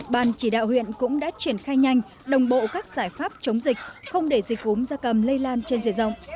ban chỉ đạo huyện cũng đã triển khai nhanh đồng bộ các giải pháp chống dịch không để dịch cúm gia cầm lây lan trên diện rộng